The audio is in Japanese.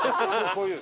こういう。